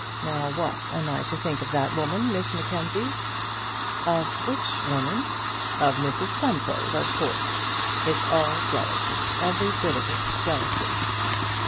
Now what am I to think of that woman, Miss Mackenzie?" "Of which woman?" "Of Mrs Stumfold, of course. It's all jealousy: every bit of it jealousy."